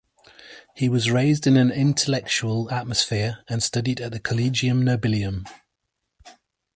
He was raised in an intellectual atmosphere and studied at the Collegium Nobilium.